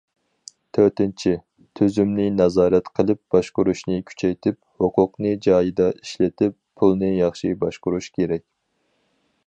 تۆتىنچى، تۈزۈمنى نازارەت قىلىپ باشقۇرۇشنى كۈچەيتىپ، ھوقۇقنى جايىدا ئىشلىتىپ، پۇلنى ياخشى باشقۇرۇش كېرەك.